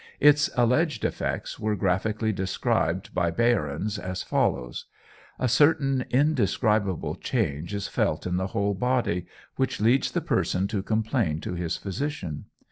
Its alleged effects are graphically described by Behrens as follows: "A certain indescribable change is felt in the whole body, which leads the person to complain to his physician.